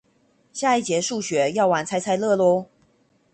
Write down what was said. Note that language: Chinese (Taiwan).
下一節數學，要玩猜猜樂囉